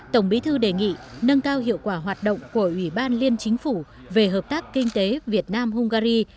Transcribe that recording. tổng bí thư đề nghị nâng cao hiệu quả hoạt động của ủy ban liên chính phủ về hợp tác kinh tế việt nam hungary